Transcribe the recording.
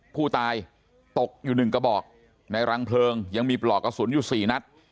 ผู้ตายตกอยู่๑กระบอกในรังเพลิงยังมีปลอกกระสุนอยู่๔นัด